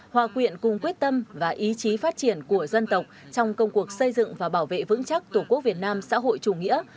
hòa quyện cùng quyết tâm và ý chí phát triển của dân tộc trong công cuộc xây dựng và bảo vệ vững chắc tổ quốc việt nam xã hội chủ nghĩa